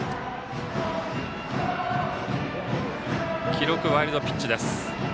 記録、ワイルドピッチです。